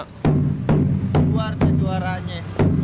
keluar deh suaranya